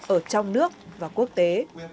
ở trong nước và quốc tế